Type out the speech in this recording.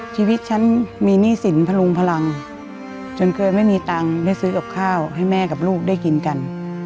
ชีวิตฉันมีหนี้สินพลุงพลังจนเคยไม่มีตังค์ได้ซื้อกับข้าวให้แม่กับลูกได้กินกัน